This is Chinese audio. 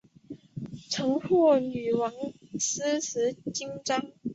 曾获女王诗词金章。